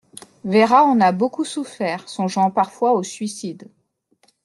Vera en a beaucoup souffert, songeant parfois au suicide.